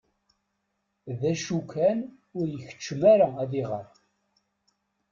D acu kan ur ikeččem ara ad iɣer.